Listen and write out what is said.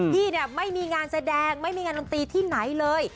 พี่เนี่ยไม่มีงานแสดงไม่มีงานดนตรีที่ไหนเลย